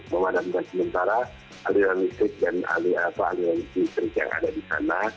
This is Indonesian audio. memadamkan sementara aliran listrik dan aliran listrik yang ada di sana